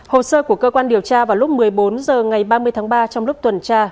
hồ sơ của cơ quan điều tra vào lúc một mươi bốn h ngày ba mươi tháng ba trong lúc tuần tra